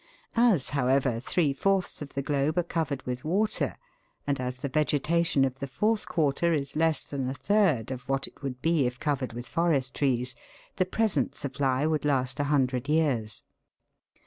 As, however, three fourths of the globe are covered with water, and as the vegetation of the fourth quarter is less than a third of what it would be if covered with forest trees, the present supply would last a hundred years.